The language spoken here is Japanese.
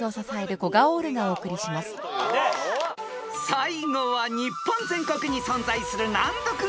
［最後は日本全国に存在する難読名字から出題］